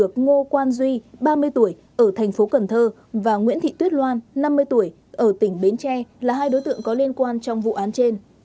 đã xác định được ngô quan duy ba mươi tuổi ở thành phố cần thơ và nguyễn thị tuyết loan năm mươi tuổi ở tỉnh bến tre là hai đối tượng có liên quan trong vụ án trên